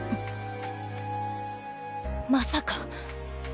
まさか。